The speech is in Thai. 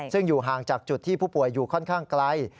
ซึ่งอยู่ห่างจากจุดที่ผู้ป่วยอยู่ค่อนข้างไกล